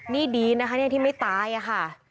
นี่ดีนะคะที่ไม่ตายค่ะ